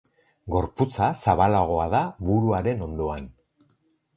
Gorputza zabalagoa da buruaren ondoan.